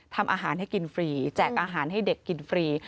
ทำอาหารให้กินฟรีแจกอาหารให้เด็กกินฟรี